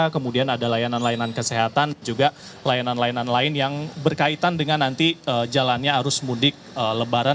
kemudian ada layanan layanan kesehatan juga layanan layanan lain yang berkaitan dengan nanti jalannya arus mudik lebaran